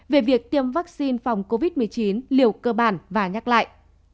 về việc tiêm vaccine phòng covid một mươi chín liều cơ bản và nhắc lại